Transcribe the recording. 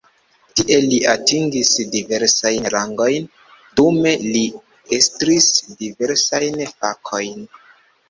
Tie li atingis diversajn rangojn, dume li estris diversajn fakojn.